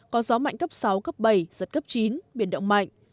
có gió mạnh cấp sáu cấp bảy giật cấp chín biển động mạnh